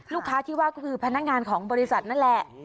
ลูกค้าที่ว่าก็คือพนักงานของบริษัทนั่นแหละ